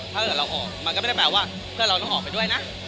ถ้าเกิดเราออกมันก็ไม่ได้แปลว่าเพื่อนเราต้องออกไปด้วยนะ